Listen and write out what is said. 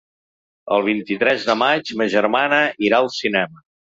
El vint-i-tres de maig ma germana irà al cinema.